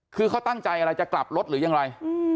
คือเขาตั้งใจอะไรจะกลับรถหรือยังไร